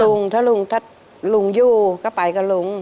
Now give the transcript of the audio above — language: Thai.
ลุงถ้าลุงอยู่ก็ไปกับลุง